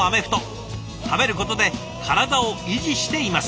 食べることで体を維持しています。